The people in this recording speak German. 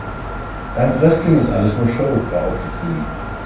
"Beim Wrestling ist alles nur Show", behauptet Willi.